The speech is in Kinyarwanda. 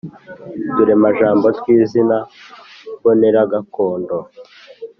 Uturemajambo tw’izina mbonera gakondo